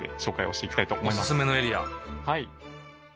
はい！